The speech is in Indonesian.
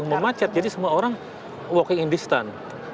tidak mau macet jadi semua orang walking in distance